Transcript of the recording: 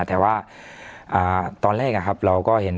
แต่ว่าอ่าตอนแรกครับเราก็เห็น